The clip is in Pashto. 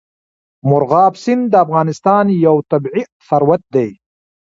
مورغاب سیند د افغانستان یو طبعي ثروت دی.